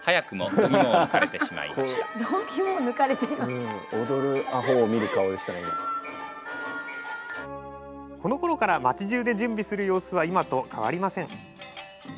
このころから町じゅうで準備する様子は今と変わりません。